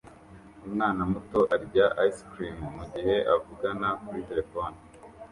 Umwana muto arya ice cream mugihe avugana kuri terefone